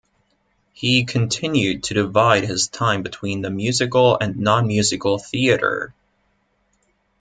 He continued to divide his time between the musical and non-musical theatre.